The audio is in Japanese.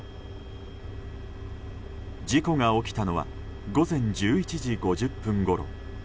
事故が起きたのは午前１１時５０分ごろ。